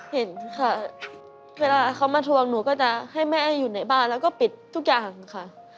เห็นค่ะเวลาเขามาทวงหนูก็จะให้แม่อยู่ในบ้านแล้วก็ปิดทุกอย่างค่ะ